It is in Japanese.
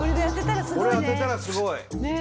これで当てたらすごいね。